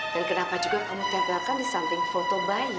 dan kenapa juga kamu terbalkan di samping foto bayi